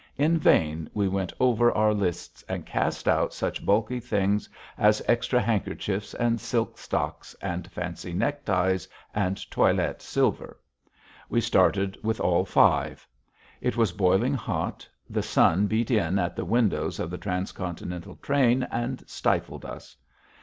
In vain we went over our lists and cast out such bulky things as extra handkerchiefs and silk socks and fancy neckties and toilet silver. We started with all five. It was boiling hot; the sun beat in at the windows of the transcontinental train and stifled us.